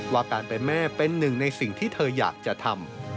ว่าการเป็นแม่เป็นหนึ่งในสิ่งที่เธออยากจะทำ